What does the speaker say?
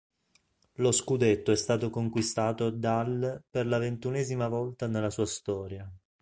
Lo scudetto è stato conquistato dal per la ventunesima volta nella sua storia.